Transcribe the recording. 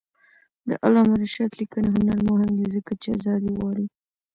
د علامه رشاد لیکنی هنر مهم دی ځکه چې آزادي غواړي.